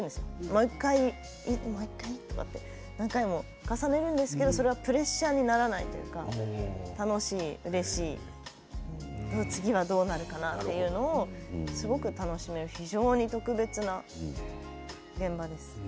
もう１回、もう１回って重ねるんですけれどそれはプレッシャーにならない楽しい、うれしい次は、どうなるかな？ってすごく楽しめる非常に特別な現場です。